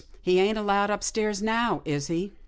He ain't allowed upstairs now, is he?"